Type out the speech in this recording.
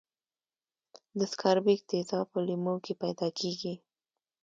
د سکاربیک تیزاب په لیمو کې پیداکیږي.